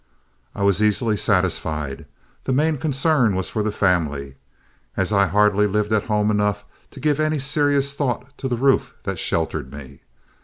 I was easily satisfied; the main concern was for the family, as I hardly lived at home enough to give any serious thought to the roof that sheltered me.